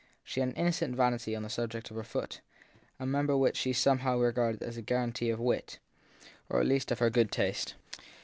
She had an innocent vanity on the subject of her foot, a member which she somehow regarded as a guar antee of her wit, or at least of her good taste.